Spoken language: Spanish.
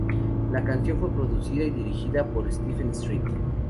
La canción fue producida y dirigida por Stephen Street.